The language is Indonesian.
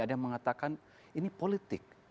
ada yang mengatakan ini politik